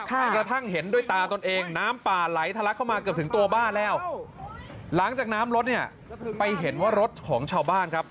กระทั่งเห็นด้วยตาตนเองน้ำป่าไหลทะลักเข้ามาเกือบถึงตัวบ้านแล้วหลังจากน้ำรถเนี่ยไปเห็นว่ารถของชาวบ้านครับ